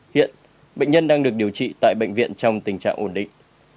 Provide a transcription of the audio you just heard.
hiện bệnh nhân đang được điều trị tại bệnh viện trong tình trạng ổn định